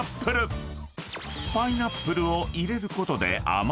［パイナップルを入れることで］